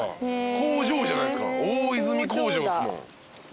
工場じゃないっすか大泉工場っすもん。